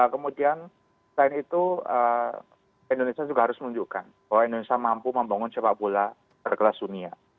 kemudian selain itu indonesia juga harus menunjukkan bahwa indonesia mampu membangun sepak bola berkelas dunia